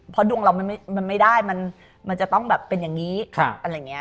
เพราะดวงเรามันไม่ได้มันจะต้องเป็นอย่างนี้